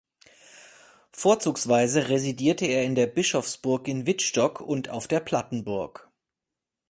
Vorzugsweise residierte er in der Bischofsburg in Wittstock und auf der Plattenburg.